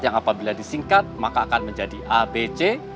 yang apabila disingkat maka akan menjadi abc